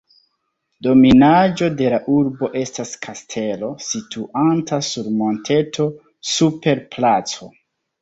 Dominaĵo de la urbo estas kastelo, situanta sur monteto super placo.